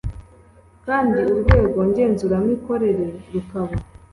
kandi urwego ngenzuramikorere rukaba